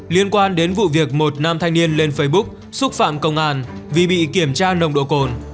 liên quan đến vụ việc một nam thanh niên lên facebook xúc phạm công an vì bị kiểm tra nồng độ cồn